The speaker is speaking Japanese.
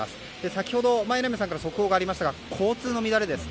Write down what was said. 先ほど、榎並さんから速報がありましたが交通の乱れです。